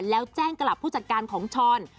แล้วแจ้งกลับผู้จัดการของช้อน